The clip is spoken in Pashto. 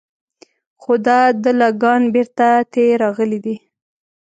خو دا دله ګان بېرته تې راغلي دي.